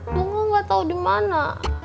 tunggu gak tau di mana